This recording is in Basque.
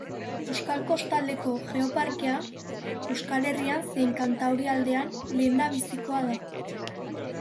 Euskal Kostaldeko Geoparkea, Euskal Herrian zein Kantaurialdean lehendabizikoa da.